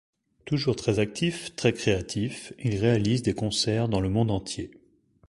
Toujours très actifs, très créatifs, ils réalisent des concerts dans le monde entier.